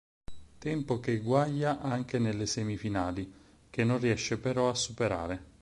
Tempo che eguaglia anche nelle semifinali, che non riesce però a superare.